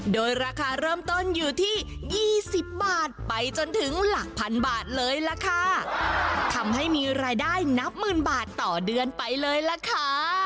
โดยราคาเริ่มต้นอยู่ที่ยี่สิบบาทไปจนถึงหลักพันบาทเลยล่ะค่ะทำให้มีรายได้นับหมื่นบาทต่อเดือนไปเลยล่ะค่ะ